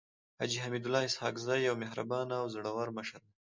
حاجي حميدالله اسحق زی يو مهربانه او زړور مشر دی.